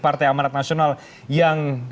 partai amanat nasional yang